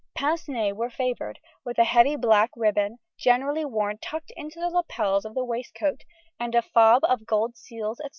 Pince nez were favoured, with a heavy black ribbon, generally worn tucked in the lapels of the waistcoat; and a fob of gold seals, &c.